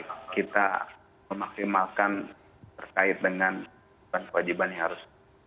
dan kita memaksimalkan terkait dengan wajibannya harus